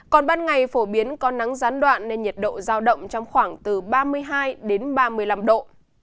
còn ban ngày phổ biến có nắng gián đoạn nên nhiệt độ giao động trong khoảng từ ba mươi hai đến ba mươi năm độ